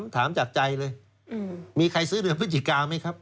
ถามจากใจเลยมีใครซื้อเดือนพฤศจิกาไหมครับ